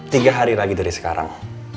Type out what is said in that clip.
tiga hari lagi dari sekarang